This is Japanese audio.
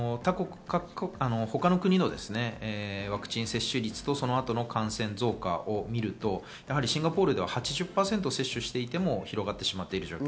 他の国のワクチン接種率とそのあとの感染増加を見ると、やはりシンガポールでは８０％接種していても広がってしまっている状況。